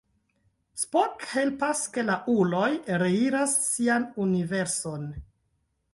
Spock helpas ke la uloj reiras sian universon.